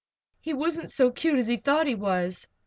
He wasn't so cute as he thought he was."